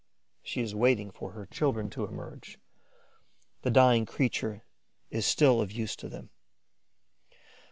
She is waiting for her children to emerge; the dying creature is still of use to them.